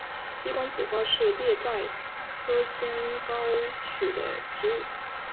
鸡冠子花是列当科马先蒿属的植物。